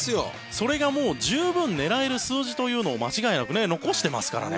それが十分狙える数字というのを間違いなく残してますからね。